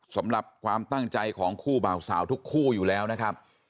สำหรับความตั้งใจของคู่บ่าวสาวทุกคู่อยู่แล้วนะครับ